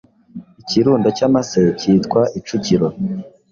Ikirundo cy’amase cyitwa Icukiro